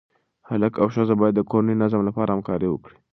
هلک او ښځه باید د کورني نظم لپاره همکاري وکړي.